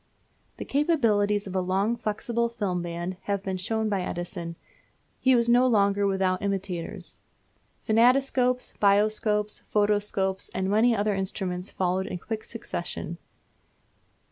The capabilities of a long flexible film band having been shown by Edison, he was not long without imitators. Phantoscopes, Bioscopes, Photoscopes, and many other instruments followed in quick succession.